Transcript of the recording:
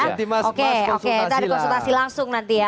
nanti mas konsultasi lah